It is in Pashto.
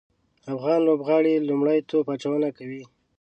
افغان لوبغاړي لومړی توپ اچونه کوي